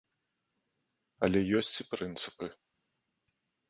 Але ёсць і прынцыпы.